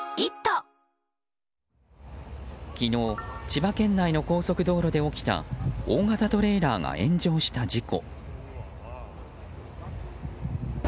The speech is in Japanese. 昨日、千葉県内の高速道路で起きた大型トレーラーが炎上した事故。